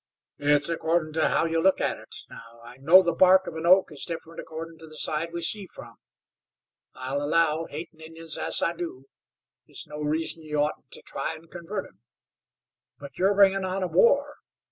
"It's accordin' to how you look at it. Now I know the bark of an oak is different accordin' to the side we see from. I'll allow, hatin' Injuns as I do, is no reason you oughtn't to try an' convert 'em. But you're bringin' on a war.